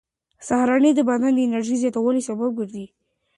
سهارنۍ د بدن د انرژۍ زیاتوالي سبب ګرځي.